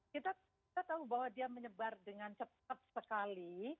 kita tahu bahwa dia menyebar dengan cepat sekali